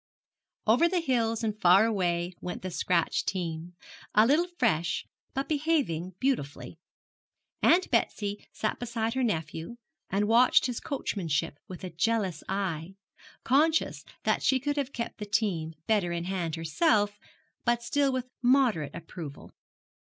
Over the hills and far away went the scratch team a little fresh, but behaving beautifully. Aunt Betsy sat beside her nephew, and watched his coachmanship with a jealous eye, conscious that she could have kept the team better in hand herself, but still with moderate approval.